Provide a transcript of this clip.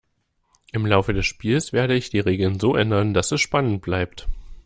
Im Laufe des Spiels werde ich die Regeln so ändern, dass es spannend bleibt.